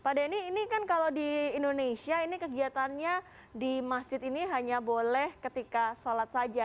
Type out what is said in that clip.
pak denny ini kan kalau di indonesia ini kegiatannya di masjid ini hanya boleh ketika sholat saja